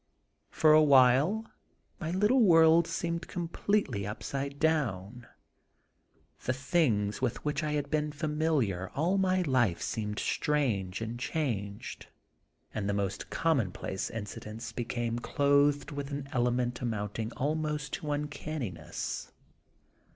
For a while, my little world seemed completely upside down ; the things with which I had been familiar all my life seemed strange and changed, and the most commonplace incidents became clothed with an element amounting almost to uncanniness.